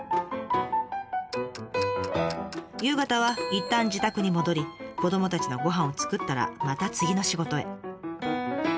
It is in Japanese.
夕方はいったん自宅に戻り子どもたちのごはんを作ったらまた次の仕事へ。